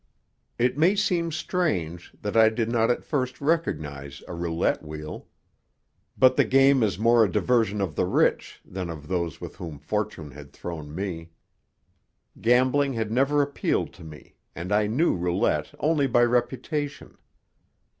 It may seem strange that I did not at first recognize a roulette wheel. But the game is more a diversion of the rich than of those with whom fortune had thrown me. Gambling had never appealed to me, and I knew roulette only by reputation.